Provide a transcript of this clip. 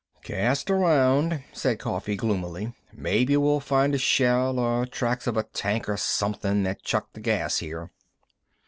"Cast around," said Coffee gloomily. "Maybe we'll find a shell, or tracks of a tank or somethin' that chucked the gas here."